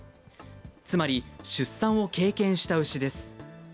つまり出産を経験した牛です。